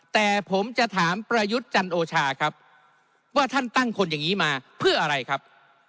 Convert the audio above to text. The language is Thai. แต่ผมจะถามประยุทธ์จันโอชาครับว่าท่านตั้งคนอย่างนี้มาเพื่ออะไรครับ